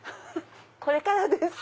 これからです。